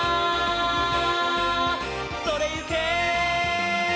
「それゆけ！」